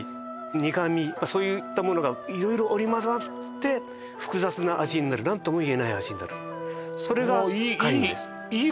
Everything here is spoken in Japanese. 苦味そういったものがいろいろ織り交ざって複雑な味になるなんともいえない味になるそれが怪味です